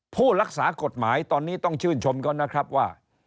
ผู้รักษากฎหมายตอนนี้ต้องชื่นชมเขานะครับว่า